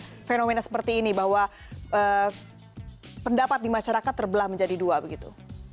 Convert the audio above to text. dan apakah mereka menemukan renomannya seperti ini bahwa pendapat di masyarakat terbelah menjadi dua begitu